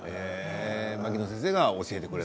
牧野先生が教えてくれた。